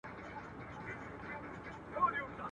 نور پخلا یو زموږ او ستاسي دي دوستي وي.